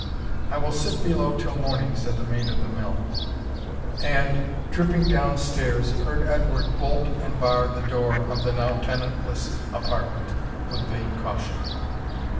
"I will sit below till morning," said the Maid of the Mill; and, tripping down stairs, heard Edward bolt and bar the door of the now tenantless apartment with vain caution.